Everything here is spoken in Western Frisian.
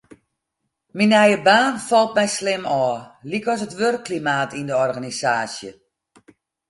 Myn nije baan falt my slim ôf, lykas it wurkklimaat yn de organisaasje.